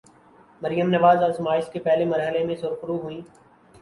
مریم نواز آزمائش کے پہلے مرحلے میں سرخرو ہوئیں۔